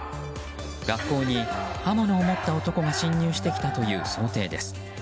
学校に刃物を持った男が侵入してきたという想定です。